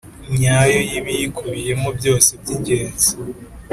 Nyayo y ibiyikubiyemo byose by ingenzi